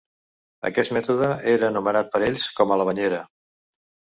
Aquest mètode era anomenat per ells com a “la banyera”.